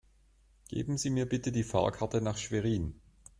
Geben Sie mir bitte die Fahrkarte nach Schwerin